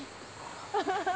アハハハ。